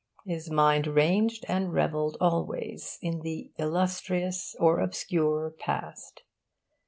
His mind ranged and revelled always in the illustrious or obscure past.